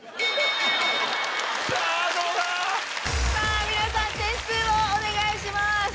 さぁどうだ⁉点数をお願いします。